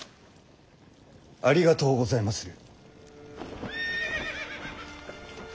ありがとうございまする。